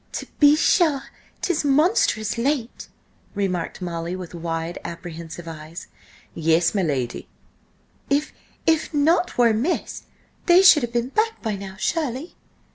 "To be sure, 'tis monstrous late!" remarked Molly, with wide, apprehensive eyes. "Yes, my lady." "If–if nought were amiss, they should have been back by now, surely?"